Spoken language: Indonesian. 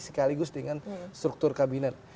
sekaligus dengan struktur kabinet